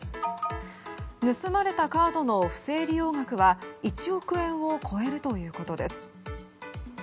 盗まれたカードの不正利用額は１億円を超えるということです。